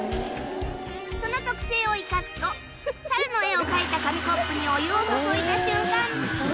その特性を生かすとサルの絵を描いた紙コップにお湯を注いだ瞬間